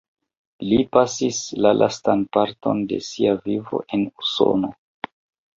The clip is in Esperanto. Li pasis la lastan parton de sia vivo en Usono.